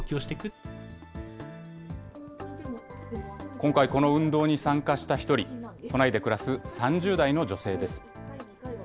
今回、この運動に参加した一人、都内で暮らす３０代の女性です。